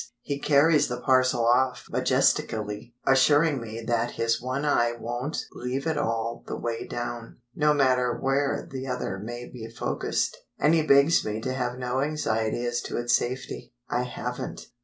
He carries the parcel off majestically, assuring me that his one eye won't leave it all the way down, no matter where the other may be focused; and he begs me to have no anxiety as to its safety. I haven't.